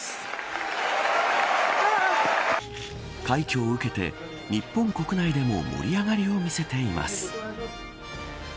快挙を受けて日本国内でも盛り上がりを見せています。